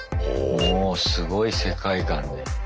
もうすごい世界観で。